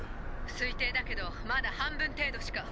「推定だけどまだ半分程度しか」。